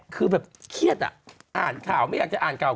คือแบบเครียดอ่ะอ่านข่าวไม่อยากจะอ่านข่าว